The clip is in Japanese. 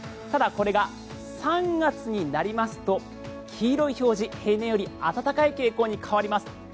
ただ、これが３月になりますと黄色い表示平年より暖かい表示に変わります。